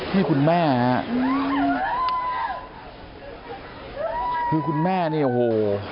นี่คุณแม่ฮะคือคุณแม่เนี่ยโอ้โห